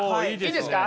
いいですか？